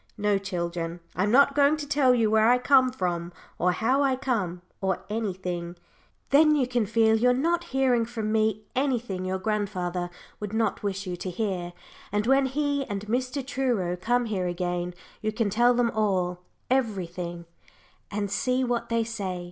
No children, I'm not going to tell you where I come from, or how I come, or anything. Then you can feel you're not hearing from me anything your grandfather would not wish you to hear, and when he and Mr. Truro come here again, you can tell them all everything, and see what they say.